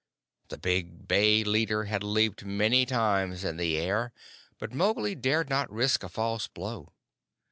The big bay leader had leaped many times in the air, but Mowgli dared not risk a false blow.